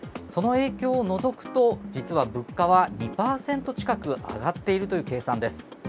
その影響を除くと、実は物価は２％近く上がっているという計算です。